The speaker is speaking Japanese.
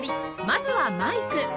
まずはマイク